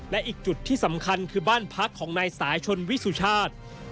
และอีกจุดที่สำคัญคือบ้านพักของนายสายชนวิสุชาติ